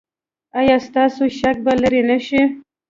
ایا ستاسو شک به لرې نه شي؟